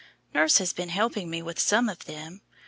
Nurse has been helping me with some of them.